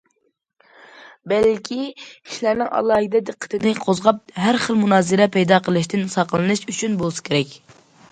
بەلكى كىشىلەرنىڭ ئالاھىدە دىققىتىنى قوزغاپ ھەر خىل مۇنازىرە پەيدا قىلىشتىن ساقلىنىش ئۈچۈن بولسا كېرەك.